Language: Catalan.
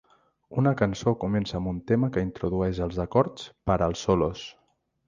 Una cançó comença amb un tema que introdueix els acords per als solos.